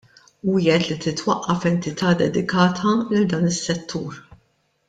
Wiegħed li titwaqqaf entità dedikata lil dan is-settur.